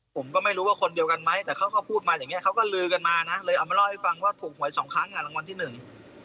ผมก็ไม่รู้ว่าคนเดียวกันไหมแต่เขาก็พูดมาอย่างเงี้เขาก็ลือกันมานะเลยเอามาเล่าให้ฟังว่าถูกหวยสองครั้งอ่ะรางวัลที่หนึ่ง